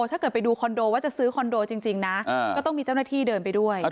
ถ้าเกิดไปดูคอนโดว่าจะซื้อคอนโดจริงนะก็ต้องมีเจ้าหน้าที่เดินไปด้วย